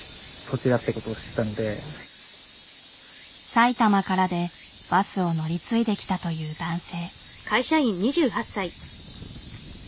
埼玉からでバスを乗り継いで来たという男性。